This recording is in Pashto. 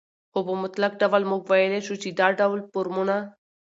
خو په مطلق ډول موږ وويلى شو، چې دا ډول فورمونه